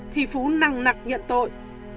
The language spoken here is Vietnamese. thì phú năng nặc nhận tội